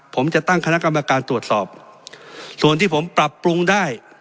ผมจะตั้งคณะกรรมการตรวจสอบส่วนที่ผมปรับปรุงได้